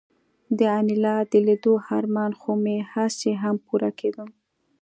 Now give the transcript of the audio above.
د انیلا د لیدو ارمان خو مې هسې هم پوره کېده